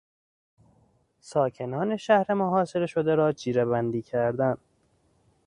ساکنان شهر محاصره شده را جیرهبندی کردن